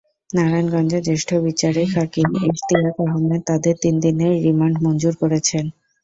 নারায়ণগঞ্জের জ্যেষ্ঠ বিচারিক হাকিম ইশতিয়াক আহম্মেদ তাঁদের তিন দিনের রিমান্ড মঞ্জুর করেছেন।